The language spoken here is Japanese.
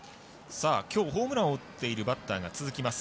きょうホームランを打っているバッターが続きます。